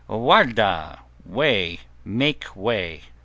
Warda! Way! Make way!"